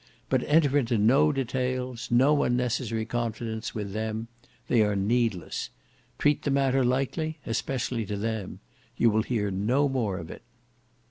But enter into no details, no unnecessary confidence with them. They are needless. Treat the matter lightly, especially to them. You will hear no more of it."